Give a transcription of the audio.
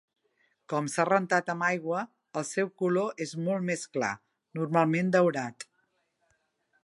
Com s'ha rentat amb aigua, el seu color és molt més clar, normalment daurat.